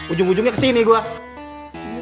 ujung ujungnya kesini gue